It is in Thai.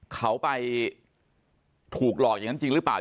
เขาไปถูกหลอกอย่างนั้นจริงหรือเปล่า